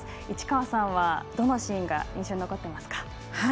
市川さんは、どのシーンが印象に残ってますか？